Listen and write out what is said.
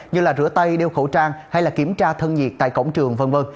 như là rửa tay đeo khẩu trang hay là kiểm tra thân nhiệt tại cổng trường v v